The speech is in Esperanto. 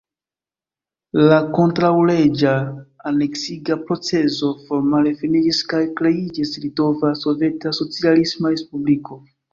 La kontraŭleĝa aneksiga procezo formale finiĝis kaj kreiĝis Litova Soveta Socialisma Respubliko.